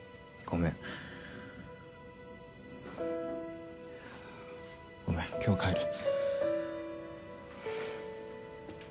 ごめん今日は帰る。